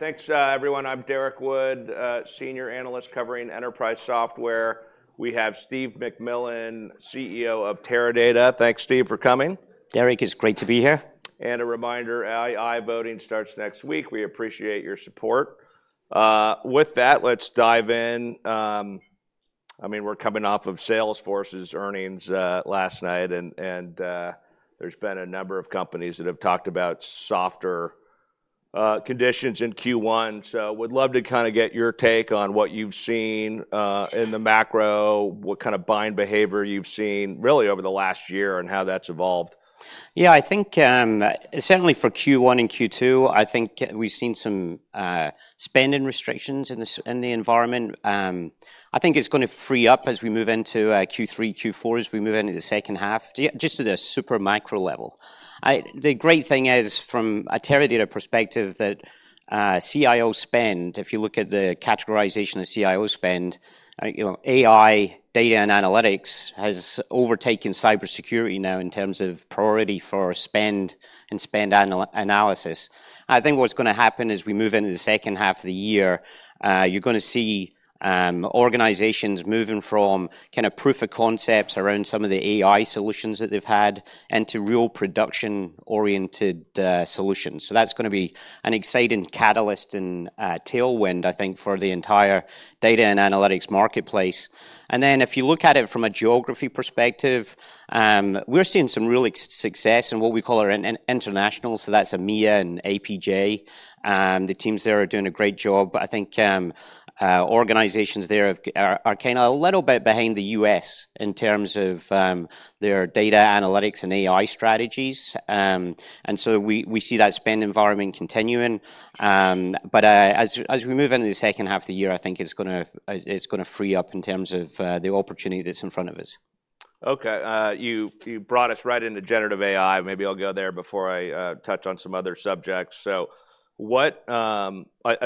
Thanks, everyone. I'm Derek Wood, Senior Analyst covering enterprise software. We have Steve McMillan, CEO of Teradata. Thanks, Steve, for coming. Derek, it's great to be here. And a reminder, II Voting starts next week. We appreciate your support. With that, let's dive in. I mean, we're coming off of Salesforce's earnings last night, and there's been a number of companies that have talked about softer conditions in Q1. So would love to kind of get your take on what you've seen in the macro, what kind of buying behavior you've seen really over the last year, and how that's evolved. Yeah, I think, certainly for Q1 and Q2, I think we've seen some spending restrictions in the environment. I think it's going to free up as we move into Q3, Q4, as we move into the second half, just to the super macro level. The great thing is, from a Teradata perspective, that CIO spend, if you look at the categorization of CIO spend, you know, AI, data, and analytics has overtaken cybersecurity now in terms of priority for spend and spend analysis. I think what's gonna happen as we move into the second half of the year, you're gonna see organizations moving from kind of proof of concepts around some of the AI solutions that they've had into real production-oriented solutions. So that's gonna be an exciting catalyst and tailwind, I think, for the entire data and analytics marketplace. And then, if you look at it from a geography perspective, we're seeing some real success in what we call our international, so that's EMEA and APJ. The teams there are doing a great job. I think organizations there are kinda a little bit behind the US in terms of their data analytics and AI strategies. And so we see that spend environment continuing. But as we move into the second half of the year, I think it's gonna free up in terms of the opportunity that's in front of us. Okay, you brought us right into generative AI. Maybe I'll go there before I touch on some other subjects. So what I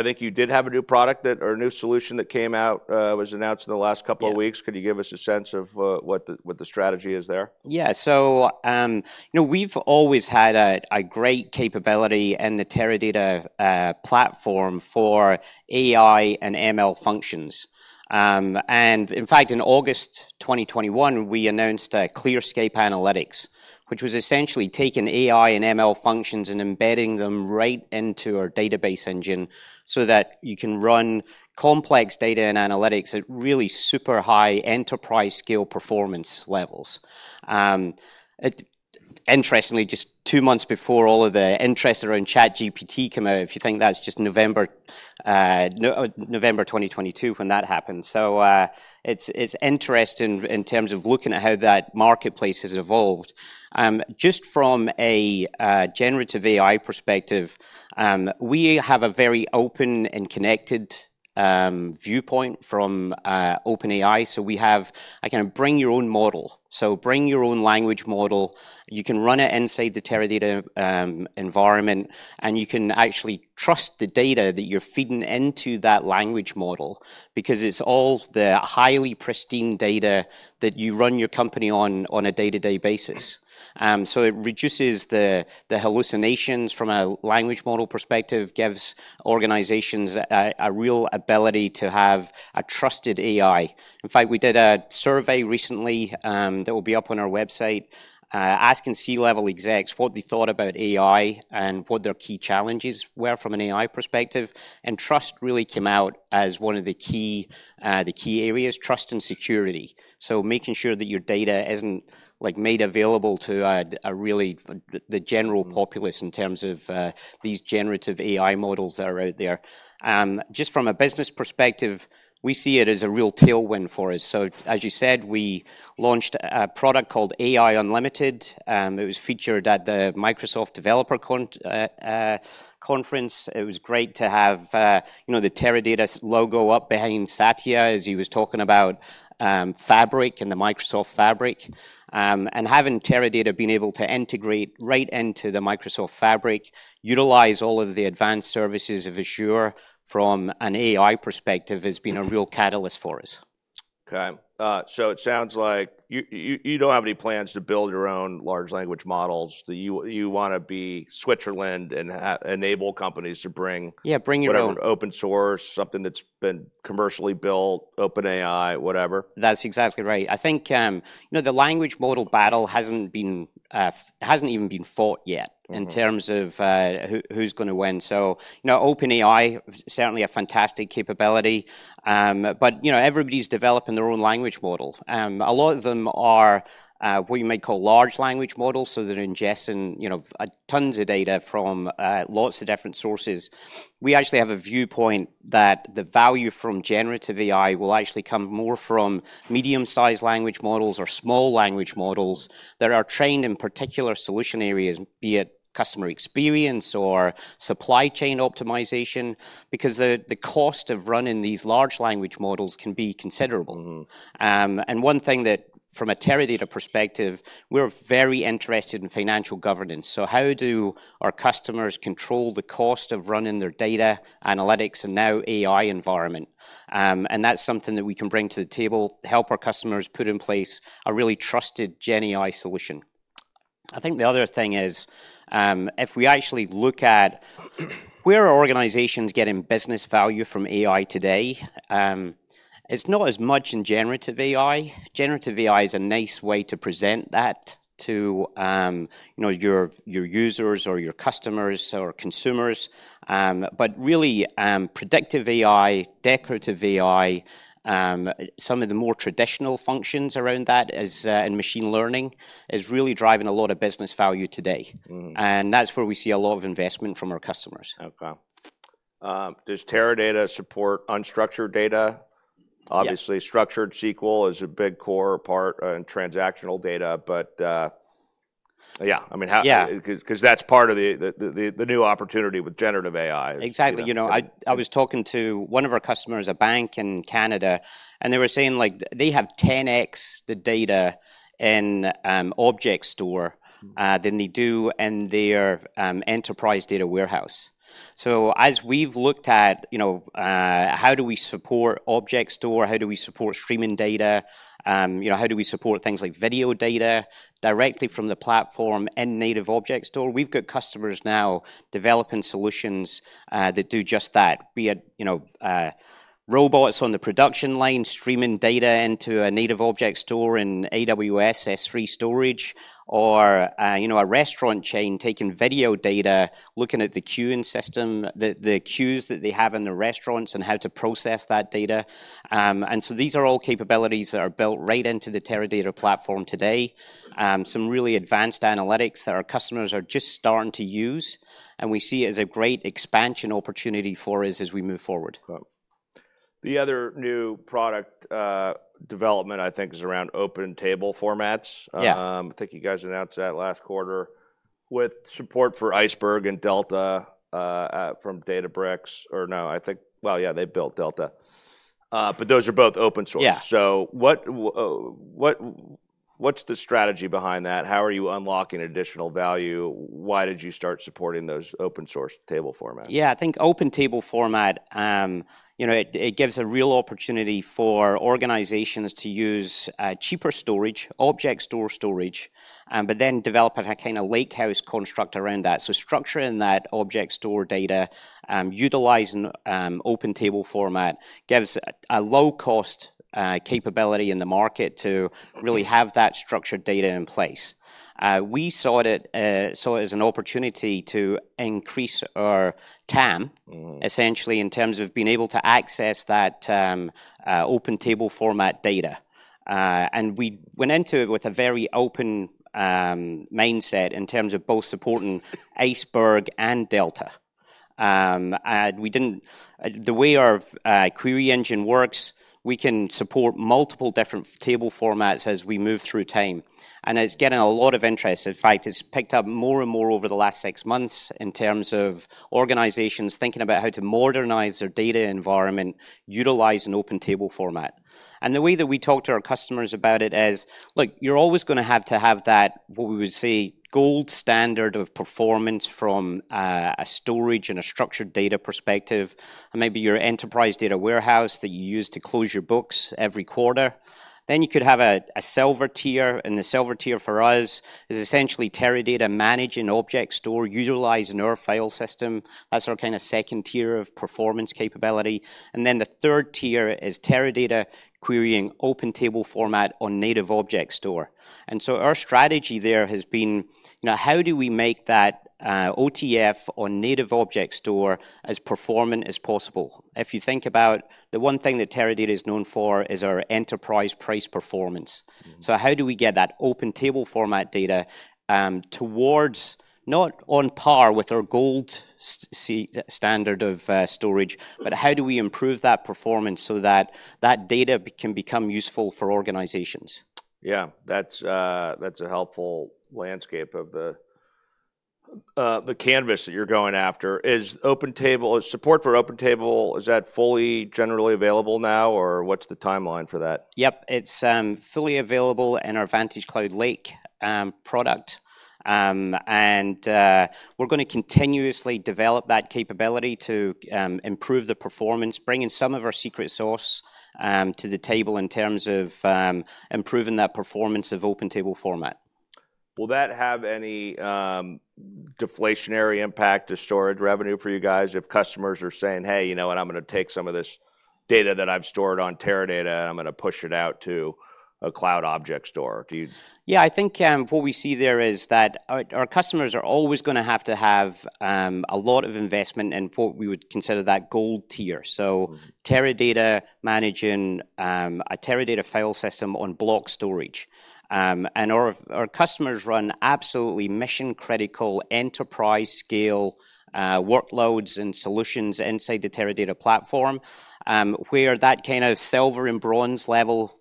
think you did have a new product that, or a new solution that came out, was announced in the last couple of weeks. Yeah. Could you give us a sense of what the strategy is there? Yeah. So, you know, we've always had a great capability in the Teradata platform for AI and ML functions. And in fact, in August 2021, we announced ClearScape Analytics, which was essentially taking AI and ML functions and embedding them right into our database engine so that you can run complex data and analytics at really super high enterprise-scale performance levels. Interestingly, just two months before all of the interest around ChatGPT came out, if you think that's just November 2022, when that happened. So, it's interesting in terms of looking at how that marketplace has evolved. Just from a generative AI perspective, we have a very open and connected viewpoint from OpenAI. So we have a kind of bring your own model. So bring your own language model. You can run it inside the Teradata environment, and you can actually trust the data that you're feeding into that language model because it's all the highly pristine data that you run your company on a day-to-day basis. So it reduces the hallucinations from a language model perspective, gives organizations a real ability to have a trusted AI. In fact, we did a survey recently that will be up on our website asking C-level execs what they thought about AI and what their key challenges were from an AI perspective, and trust really came out as one of the key areas, trust and security. So making sure that your data isn't like made available to the general populace in terms of these generative AI models that are out there. Just from a business perspective, we see it as a real tailwind for us. As you said, we launched a product called AI Unlimited. It was featured at the Microsoft Developer Conference. It was great to have, you know, the Teradata logo up behind Satya as he was talking about Fabric and the Microsoft Fabric. Having Teradata being able to integrate right into the Microsoft Fabric, utilize all of the advanced services of Azure from an AI perspective, has been a real catalyst for us. Okay, so it sounds like you don't have any plans to build your own large language models. Do you wanna be Switzerland and enable companies to bring- Yeah, bring your own. Whatever, open source, something that's been commercially built, OpenAI, whatever? That's exactly right. I think, you know, the language model battle hasn't even been fought yet- Mm-hmm In terms of who who's gonna win. So, you know, OpenAI, certainly a fantastic capability. But, you know, everybody's developing their own language model. A lot of them are what you might call large language models, so they're ingesting, you know, tons of data from lots of different sources. We actually have a viewpoint that the value from generative AI will actually come more from medium-sized language models or small language models that are trained in particular solution areas, be it customer experience or supply chain optimization, because the cost of running these large language models can be considerable. Mm-hmm. And one thing that, from a Teradata perspective, we're very interested in financial governance. So how do our customers control the cost of running their data, analytics, and now AI environment? And that's something that we can bring to the table, help our customers put in place a really trusted GenAI solution. I think the other thing is, if we actually look at where are organizations getting business value from AI today, it's not as much in generative AI. Generative AI is a nice way to present that to, you know, your, your users or your customers or consumers. But really, predictive AI, descriptive AI, some of the more traditional functions around that is, in machine learning, is really driving a lot of business value today. Mm. That's where we see a lot of investment from our customers. Okay. Does Teradata support unstructured data? Yeah. Obviously, structured SQL is a big core part in transactional data, but, yeah, I mean, how- Yeah. Cause that's part of the new opportunity with Generative AI. Exactly. You know? You know, I was talking to one of our customers, a bank in Canada, and they were saying, like, they have 10x the data in object store, Mm Than they do in their enterprise data warehouse. So as we've looked at, you know, how do we support object store, how do we support streaming data, you know, how do we support things like video data directly from the platform in native object store, we've got customers now developing solutions that do just that, be it, you know, robots on the production line streaming data into a native object store in AWS S3 storage, or, you know, a restaurant chain taking video data, looking at the queuing system, the, the queues that they have in the restaurants and how to process that data. And so these are all capabilities that are built right into the Teradata platform today. Some really advanced analytics that our customers are just starting to use, and we see it as a great expansion opportunity for us as we move forward. Okay. The other new product development, I think, is around open table formats. Yeah. I think you guys announced that last quarter with support for Iceberg and Delta from Databricks, or no, I think. Well, yeah, they built Delta. But those are both open source. Yeah. So what's the strategy behind that? How are you unlocking additional value? Why did you start supporting those open-source table formats? Yeah, I think open table format, you know, it gives a real opportunity for organizations to use, cheaper storage, object store storage, but then develop a kind of lakehouse construct around that. So structuring that object store data, utilizing, open table format, gives a, a low-cost, capability in the market to- Okay Really have that structured data in place. We saw it as an opportunity to increase our TAM- Mm Essentially, in terms of being able to access that open table format data. And we went into it with a very open mindset in terms of both supporting Iceberg and Delta. The way our query engine works, we can support multiple different table formats as we move through time, and it's getting a lot of interest. In fact, it's picked up more and more over the last six months in terms of organizations thinking about how to modernize their data environment, utilize an open table format. And the way that we talk to our customers about it is, look, you're always gonna have to have that, what we would say, gold standard of performance from a storage and a structured data perspective, and maybe your enterprise data warehouse that you use to close your books every quarter. Then you could have a silver tier, and the silver tier for us is essentially Teradata managing object store, utilizing our file system. That's our kind of second tier of performance capability. And then the third tier is Teradata querying open table format on native object store. And so our strategy there has been, you know, how do we make that, OTF or native object store as performant as possible? If you think about the one thing that Teradata is known for is our enterprise price performance. Mm. So how do we get that open table format data towards, not on par with our gold standard of storage, but how do we improve that performance so that that data can become useful for organizations? Yeah, that's a helpful landscape of the canvas that you're going after. Is open table support for open table, is that fully generally available now, or what's the timeline for that? Yep, it's fully available in our VantageCloud Lake product. We're gonna continuously develop that capability to improve the performance, bringing some of our secret sauce to the table in terms of improving that performance of open table format. Will that have any deflationary impact to storage revenue for you guys if customers are saying, "Hey, you know what? I'm gonna take some of this data that I've stored on Teradata, and I'm gonna push it out to a cloud object store." Do you- Yeah, I think, what we see there is that our, our customers are always gonna have to have, a lot of investment in what we would consider that gold tier. Mm. So Teradata managing a Teradata file system on block storage. And our customers run absolutely mission-critical, enterprise-scale workloads and solutions inside the Teradata platform, where that kind of silver and bronze level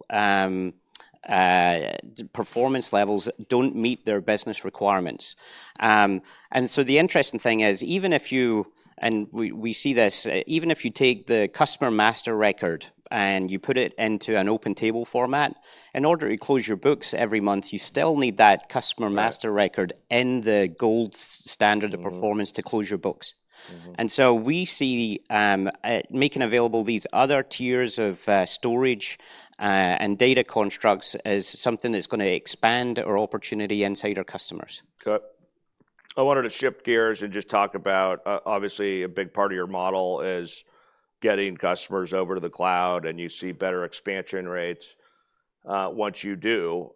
performance levels don't meet their business requirements. And so the interesting thing is, even if you, and we, we see this, even if you take the customer master record, and you put it into an open table format, in order to close your books every month, you still need that customer master record- Yeah In the gold standard of performance- Mm-hmm To close your books. Mm-hmm. And so we see making available these other tiers of storage and data constructs as something that's gonna expand our opportunity inside our customers. Okay. I wanted to shift gears and just talk about, obviously, a big part of your model is getting customers over to the cloud, and you see better expansion rates once you do.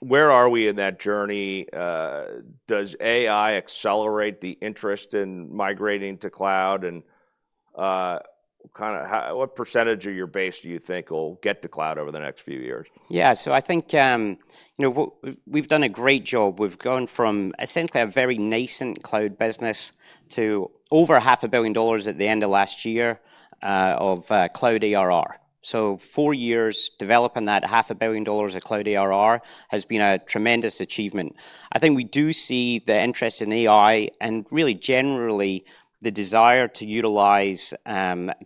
Where are we in that journey? Does AI accelerate the interest in migrating to cloud? And kind of, what percentage of your base do you think will get to cloud over the next few years? Yeah, so I think, you know, we've done a great job. We've gone from essentially a very nascent cloud business to over $500 million at the end of last year of cloud ARR. So four years developing that $500 million of cloud ARR has been a tremendous achievement. I think we do see the interest in AI and really generally the desire to utilize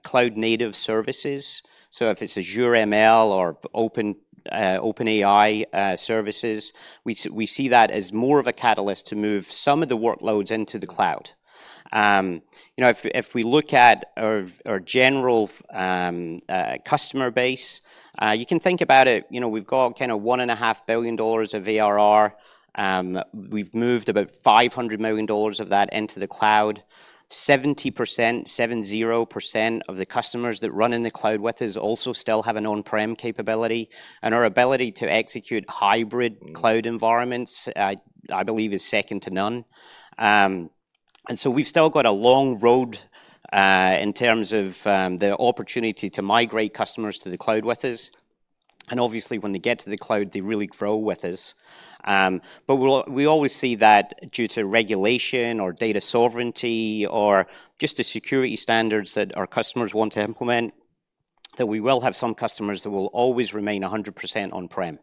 cloud-native services. So if it's Azure ML or OpenAI services, we see that as more of a catalyst to move some of the workloads into the cloud. You know, if we look at our general customer base, you can think about it, you know, we've got kind of $1.5 billion of ARR. We've moved about $500 million of that into the cloud. 70%, 70% of the customers that run in the cloud with us also still have an on-prem capability, and our ability to execute hybrid cloud environments, I believe, is second to none. And so we've still got a long road, in terms of, the opportunity to migrate customers to the cloud with us, and obviously, when they get to the cloud, they really grow with us. But we always see that due to regulation or data sovereignty or just the security standards that our customers want to implement, that we will have some customers that will always remain 100% on-prem.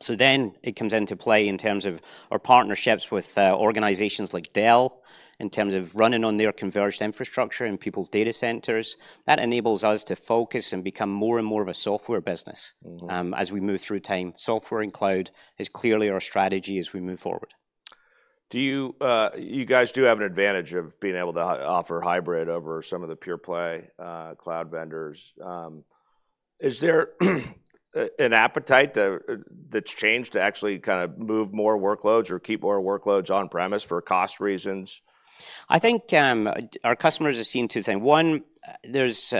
So then it comes into play in terms of our partnerships with organizations like Dell, in terms of running on their converged infrastructure in people's data centers. That enables us to focus and become more and more of a software business- Mm-hmm As we move through time. Software and cloud is clearly our strategy as we move forward. Do you, you guys do have an advantage of being able to offer hybrid over some of the pure-play cloud vendors. Is there an appetite that's changed to actually kind of move more workloads or keep more workloads on-premise for cost reasons? I think, our customers are seeing two things. One, there's.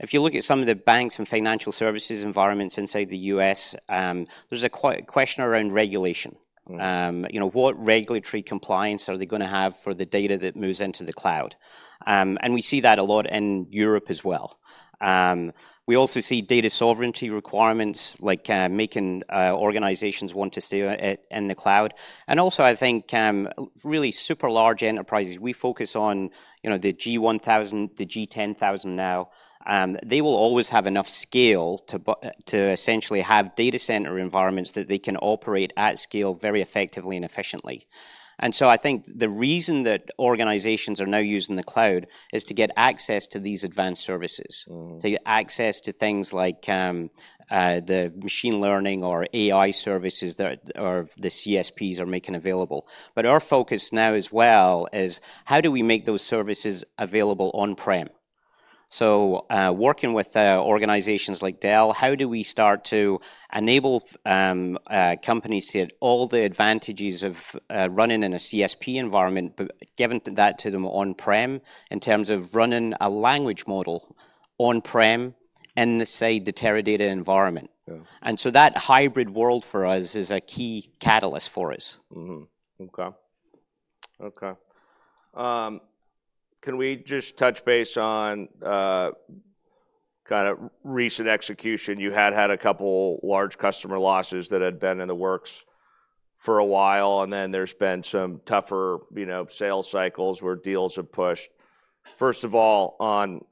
If you look at some of the banks and financial services environments inside the US, there's a question around regulation. Mm. You know, what regulatory compliance are they gonna have for the data that moves into the cloud? And we see that a lot in Europe as well. We also see data sovereignty requirements like making organizations want to stay in the cloud. And also, I think, really super large enterprises, we focus on, you know, the G1000, the G10,000 now, they will always have enough scale to essentially have data center environments that they can operate at scale very effectively and efficiently. And so I think the reason that organizations are now using the cloud is to get access to these advanced services- Mm. -to get access to things like, the machine learning or AI services that are, the CSPs are making available. But our focus now as well is: how do we make those services available on-prem? So, working with, organizations like Dell, how do we start to enable, companies to have all the advantages of, running in a CSP environment, but giving that to them on-prem, in terms of running a language model on-prem in, say, the Teradata environment? Yeah. That hybrid world for us is a key catalyst for us. Mm-hmm. Okay. Okay. Can we just touch base on kind of recent execution? You had had a couple large customer losses that had been in the works for a while, and then there's been some tougher, you know, sales cycles where deals have pushed. First of all, on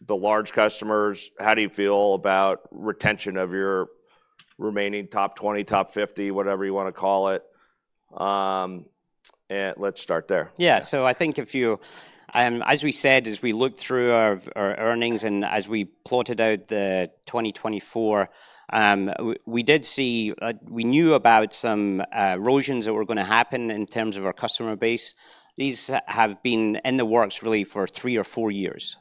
the large customers, how do you feel about retention of your remaining top 20, top 50, whatever you wanna call it? And let's start there. Yeah. So I think if you, as we said, as we looked through our earnings, and as we plotted out the 2024, we did see, we knew about some erosions that were gonna happen in terms of our customer base. These have been in the works really for three or four years,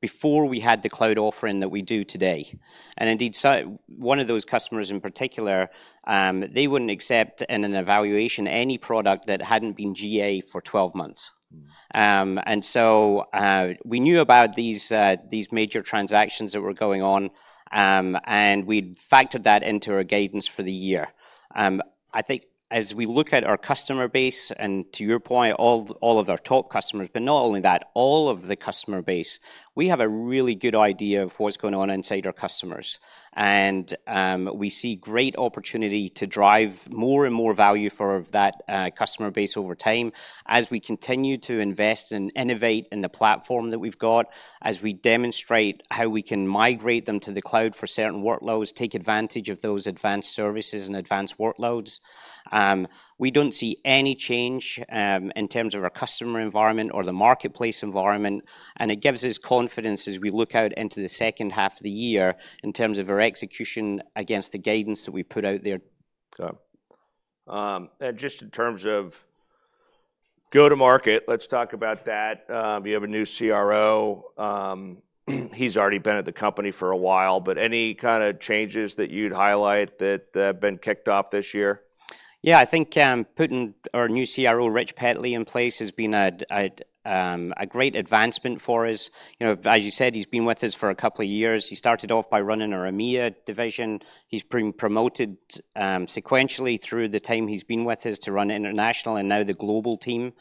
before we had the cloud offering that we do today. And indeed, so one of those customers in particular, they wouldn't accept in an evaluation, any product that hadn't been GA for 12 months. Mm. And so, we knew about these, these major transactions that were going on, and we'd factored that into our guidance for the year. I think as we look at our customer base, and to your point, all, all of our top customers, but not only that, all of the customer base, we have a really good idea of what's going on inside our customers, and, we see great opportunity to drive more and more value for that, customer base over time, as we continue to invest and innovate in the platform that we've got, as we demonstrate how we can migrate them to the cloud for certain workloads, take advantage of those advanced services and advanced workloads. We don't see any change, in terms of our customer environment or the marketplace environment, and it gives us confidence as we look out into the second half of the year in terms of our execution against the guidance that we put out there. Okay. Just in terms of go-to-market, let's talk about that. You have a new CRO. He's already been at the company for a while, but any kind of changes that you'd highlight that have been kicked off this year? Yeah, I think putting our new CRO, Rich Petley, in place has been a great advancement for us. You know, as you said, he's been with us for a couple of years. He started off by running our EMEA division. He's been promoted sequentially through the time he's been with us to run international and now the global team.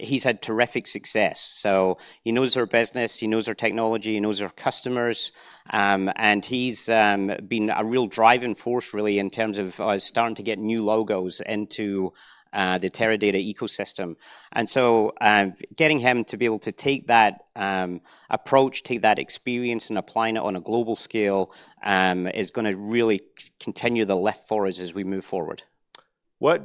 He's had terrific success. So he knows our business, he knows our technology, he knows our customers, and he's been a real driving force, really, in terms of starting to get new logos into the Teradata ecosystem. And so, getting him to be able to take that approach, take that experience and applying it on a global scale is going to really continue the lift for us as we move forward.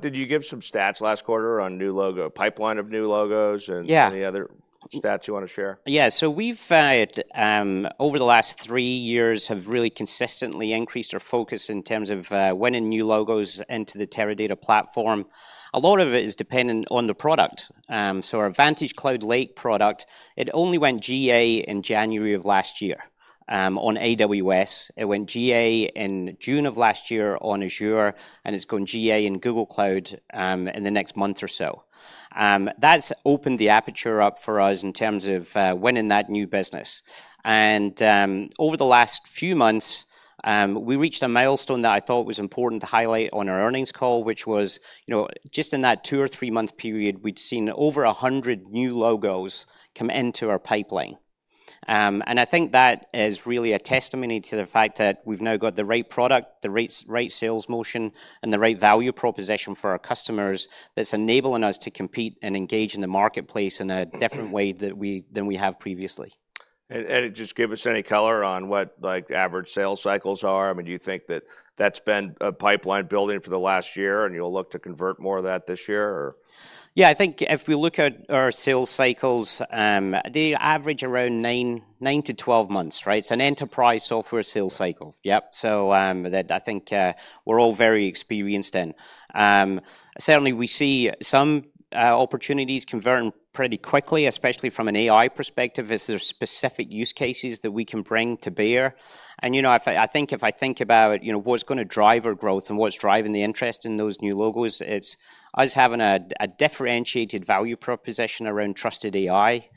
Did you give some stats last quarter on new logo pipeline of new logos, and- Yeah. Any other stats you want to share? Yeah. So we've over the last three years have really consistently increased our focus in terms of winning new logos into the Teradata platform. A lot of it is dependent on the product. So our VantageCloud Lake product, it only went GA in January of last year on AWS. It went GA in June of last year on Azure, and it's going GA in Google Cloud in the next month or so. That's opened the aperture up for us in terms of winning that new business. And over the last few months we reached a milestone that I thought was important to highlight on our earnings call, which was, you know, just in that two- or three-month period, we'd seen over 100 new logos come into our pipeline. I think that is really a testimony to the fact that we've now got the right product, the right, right sales motion, and the right value proposition for our customers, that's enabling us to compete and engage in the marketplace in a different way than we have previously. And just give us any color on what, like, average sales cycles are. I mean, do you think that that's been a pipeline building for the last year, and you'll look to convert more of that this year, or? Yeah, I think if we look at our sales cycles, they average around 9-12 months, right? So an enterprise software sales cycle. Yep. So, that I think we're all very experienced in. Certainly, we see some opportunities convert pretty quickly, especially from an AI perspective, as there are specific use cases that we can bring to bear. And, you know, if I think about, you know, what's going to drive our growth and what's driving the interest in those new logos, it's us having a differentiated value proposition around trusted AI.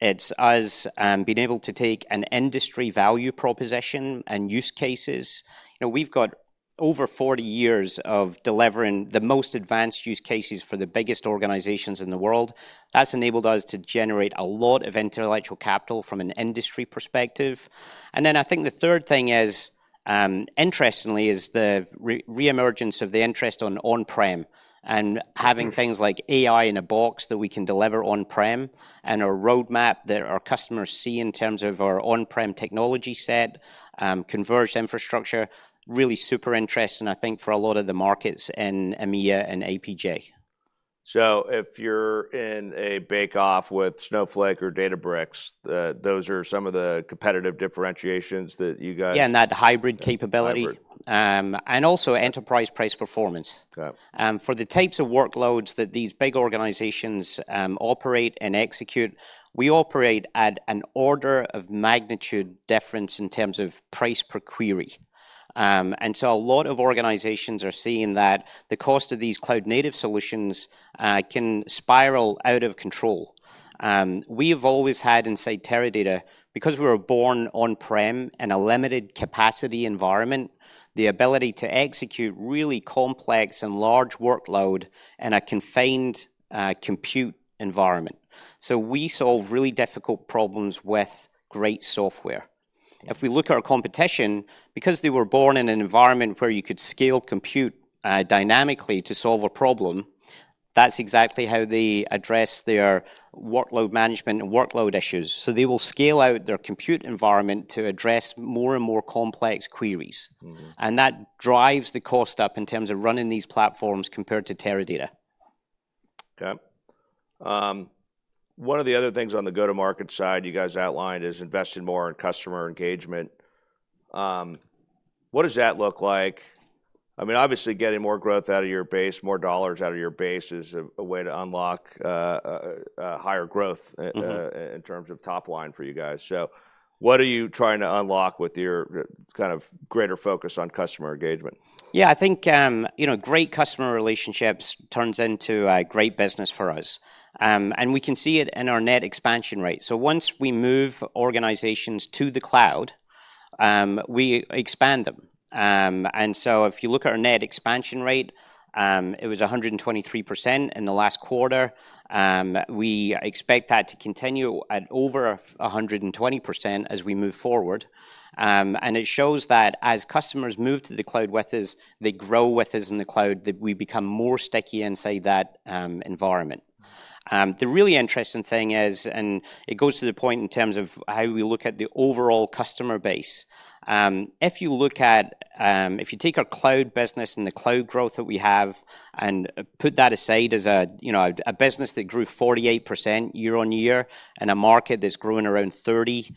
It's us being able to take an industry value proposition and use cases. You know, we've got over 40 years of delivering the most advanced use cases for the biggest organizations in the world. That's enabled us to generate a lot of intellectual capital from an industry perspective. And then I think the third thing is, interestingly, is the reemergence of the interest on on-prem and having things like AI in a box that we can deliver on-prem, and a roadmap that our customers see in terms of our on-prem technology set, converged infrastructure, really super interesting, I think, for a lot of the markets in EMEA and APJ. So if you're in a bake-off with Snowflake or Databricks, those are some of the competitive differentiations that you guys- Yeah, and that hybrid capability. Hybrid. And also enterprise price performance. Got it. For the types of workloads that these big organizations operate and execute, we operate at an order-of-magnitude difference in terms of price per query. And so a lot of organizations are seeing that the cost of these cloud-native solutions can spiral out of control. We've always had, inside Teradata, because we were born on-prem in a limited capacity environment, the ability to execute really complex and large workload in a confined compute environment. So we solve really difficult problems with great software. Yeah. If we look at our competition, because they were born in an environment where you could scale compute dynamically to solve a problem, that's exactly how they address their workload management and workload issues. So they will scale out their compute environment to address more and more complex queries. Mm-hmm. That drives the cost up in terms of running these platforms compared to Teradata. Okay. One of the other things on the go-to-market side you guys outlined is investing more in customer engagement. What does that look like? I mean, obviously, getting more growth out of your base, more dollars out of your base is a way to unlock a higher growth- Mm-hmm In terms of top line for you guys. So what are you trying to unlock with your kind of greater focus on customer engagement? Yeah, I think, you know, great customer relationships turns into a great business for us. And we can see it in our net expansion rate. So once we move organizations to the cloud, we expand them. And so if you look at our net expansion rate, it was 123% in the last quarter. We expect that to continue at over 120% as we move forward. And it shows that as customers move to the cloud with us, they grow with us in the cloud, that we become more sticky inside that environment. The really interesting thing is, and it goes to the point in terms of how we look at the overall customer base. If you look at, if you take our cloud business and the cloud growth that we have and put that aside as a, you know, a business that grew 48% year-on-year in a market that's growing around 30%,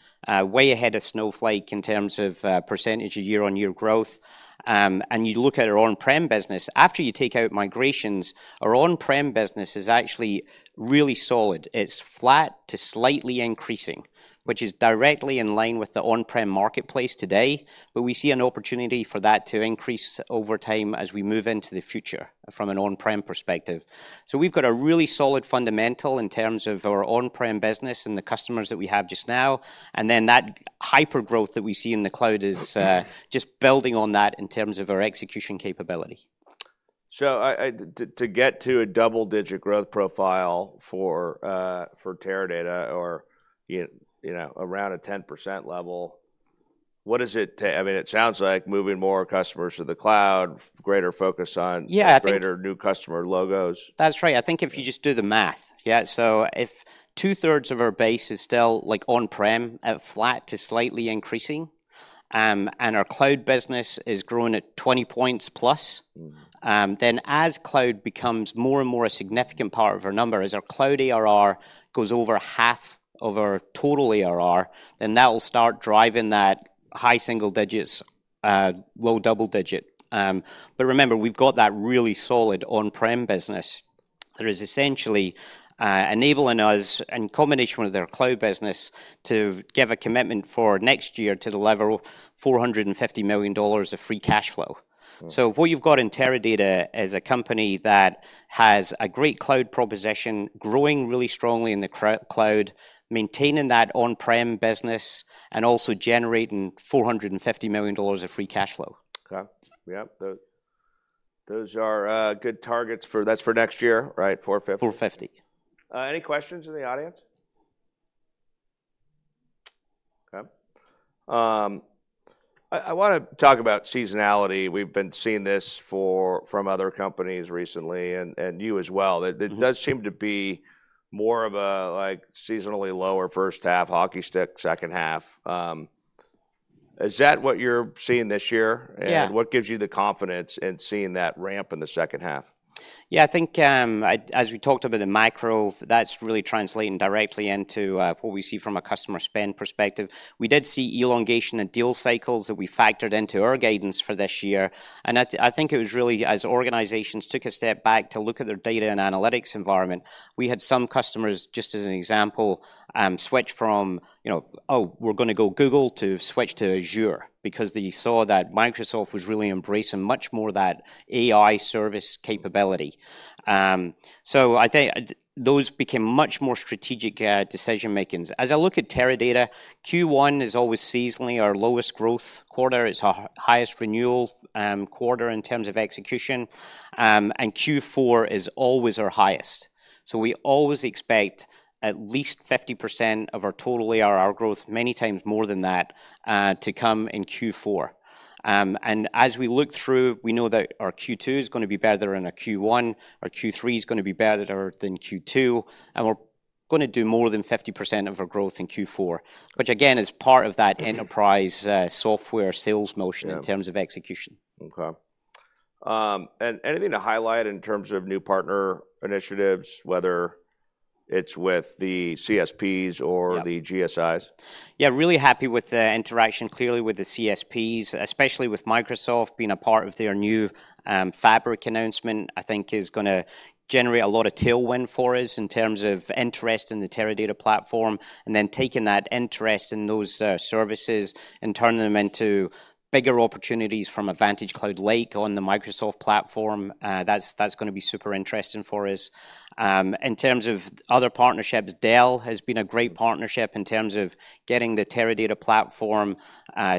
way ahead of Snowflake in terms of percentage of year-on-year growth, and you look at our on-prem business, after you take out migrations, our on-prem business is actually really solid. It's flat to slightly increasing, which is directly in line with the on-prem marketplace today, but we see an opportunity for that to increase over time as we move into the future from an on-prem perspective. So we've got a really solid fundamental in terms of our on-prem business and the customers that we have just now, and then that hypergrowth that we see in the cloud is just building on that in terms of our execution capability. So, to get to a double-digit growth profile for Teradata or yet, you know, around a 10% level, what is it to—I mean, it sounds like moving more customers to the cloud, greater focus on- Yeah, I think- greater new customer logos. That's right. I think if you just do the math, yeah, so if two-thirds of our base is still, like, on-prem, at flat to slightly increasing, and our cloud business is growing at 20 points plus, then as cloud becomes more and more a significant part of our number, as our cloud ARR goes over half of our total ARR, then that will start driving that high single digits, low double digit. But remember, we've got that really solid on-prem business that is essentially enabling us, in combination with our cloud business, to give a commitment for next year to deliver $450 million of free cash flow. Wow! So what you've got in Teradata is a company that has a great cloud proposition, growing really strongly in the cloud, maintaining that on-prem business, and also generating $450 million of free cash flow. Okay. Yeah, those are good targets for that's for next year, right? $450. Four fifty. Any questions in the audience? Okay, I wanna talk about seasonality. We've been seeing this from other companies recently, and you as well. Mm-hmm. That it does seem to be more of a, like, seasonally lower first half, hockey stick second half. Is that what you're seeing this year? Yeah. What gives you the confidence in seeing that ramp in the second half? Yeah, I think, as we talked about the macro, that's really translating directly into what we see from a customer spend perspective. We did see elongation in deal cycles that we factored into our guidance for this year, and I think it was really as organizations took a step back to look at their data and analytics environment. We had some customers, just as an example, switch from, you know, "Oh, we're gonna go Google," to switch to Azure because they saw that Microsoft was really embracing much more that AI service capability. So I think those became much more strategic decision-makings. As I look at Teradata, Q1 is always seasonally our lowest growth quarter. It's our highest renewal quarter in terms of execution, and Q4 is always our highest. So we always expect at least 50% of our total ARR growth, many times more than that, to come in Q4. And as we look through, we know that our Q2 is gonna be better than our Q1, our Q3 is gonna be better than Q2, and we're gonna do more than 50% of our growth in Q4, which again, is part of that enterprise, software sales motion- Yeah in terms of execution. Okay. Anything to highlight in terms of new partner initiatives, whether it's with the CSPs or? Yeah -the GSIs? Yeah, really happy with the interaction, clearly with the CSPs, especially with Microsoft. Being a part of their new Fabric announcement, I think is gonna generate a lot of tailwind for us in terms of interest in the Teradata platform, and then taking that interest in those services and turning them into bigger opportunities from a VantageCloud Lake on the Microsoft platform. That's gonna be super interesting for us. In terms of other partnerships, Dell has been a great partnership in terms of getting the Teradata platform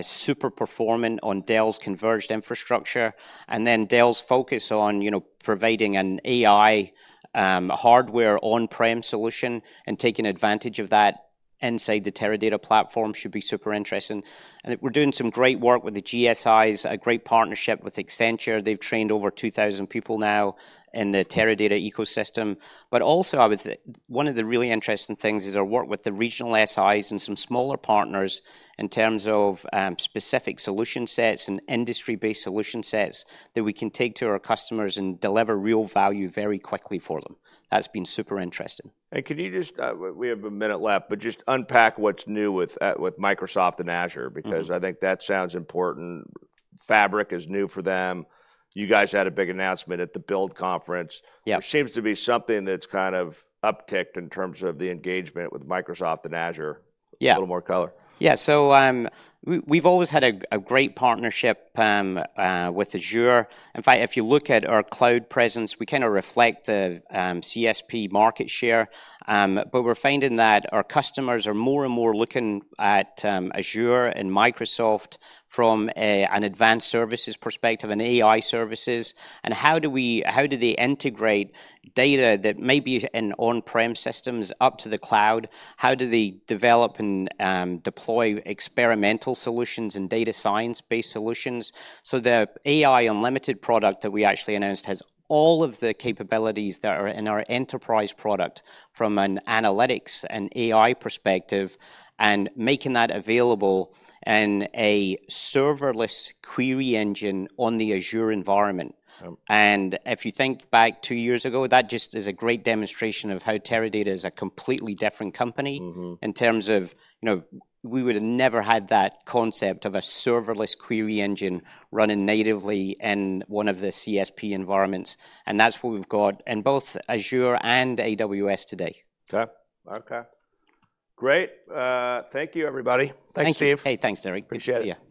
super performant on Dell's converged infrastructure, and then Dell's focus on, you know, providing an AI hardware on-prem solution and taking advantage of that inside the Teradata platform should be super interesting. And we're doing some great work with the GSIs, a great partnership with Accenture. They've trained over 2,000 people now in the Teradata ecosystem. But also, I would one of the really interesting things is our work with the regional SIs and some smaller partners in terms of, specific solution sets and industry-based solution sets that we can take to our customers and deliver real value very quickly for them. That's been super interesting. Can you just, we have a minute left, but just unpack what's new with Microsoft and Azure- Mm-hmm Because I think that sounds important. Fabric is new for them. You guys had a big announcement at the Build conference. Yeah. There seems to be something that's kind of upticked in terms of the engagement with Microsoft and Azure. Yeah. A little more color. Yeah. So, we've always had a great partnership with Azure. In fact, if you look at our cloud presence, we kind of reflect the CSP market share. But we're finding that our customers are more and more looking at Azure and Microsoft from an advanced services perspective and AI services, and how do we- how do they integrate data that may be in on-prem systems up to the cloud? How do they develop and deploy experimental solutions and data science-based solutions? So the AI Unlimited product that we actually announced has all of the capabilities that are in our enterprise product from an analytics and AI perspective, and making that available in a serverless query engine on the Azure environment. Yep. If you think back 2 years ago, that just is a great demonstration of how Teradata is a completely different company- Mm-hmm In terms of, you know, we would have never had that concept of a serverless query engine running natively in one of the CSP environments, and that's what we've got in both Azure and AWS today. Okay. Okay, great. Thank you, everybody. Thank you. Thanks, Steve. Hey, thanks, Derek. Appreciate it. See you.